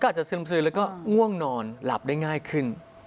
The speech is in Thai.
อาจจะซึมซือแล้วก็ง่วงนอนหลับได้ง่ายขึ้น